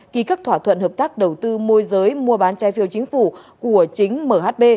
ký các thỏa thuận hợp tác đầu tư môi giới mua bán trái phiếu chính phủ của chính mhb